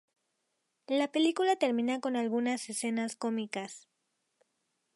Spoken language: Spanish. La película termina con algunas escenas cómicas.